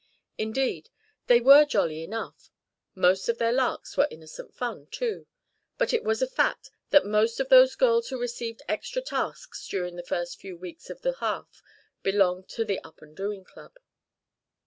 Indeed, they were jolly enough; most of their larks were innocent fun, too. But it was a fact that most of those girls who received extra tasks during those first few weeks of the half belonged to the Up and Doing Club.